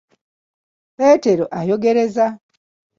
Peetero ayogereza.